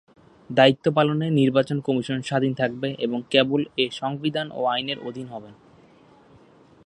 দায়িত্ব পালনে নির্বাচন কমিশন স্বাধীন থাকবেন এবং কেবল এ সংবিধান ও আইনের অধীন হবেন।